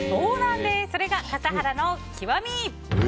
それが笠原の極み。